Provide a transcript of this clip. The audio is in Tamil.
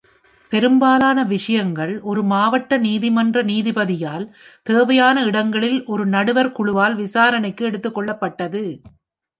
பெரும்பாலான விஷயங்கள், ஒரு மாவட்ட நீதிமன்ற நீதிபதியால், தேவையான இடங்களில் ஒரு நடுவர் குழுவால் விசாரணைக்கு எடுத்துக்கொள்ளப்பட்டது,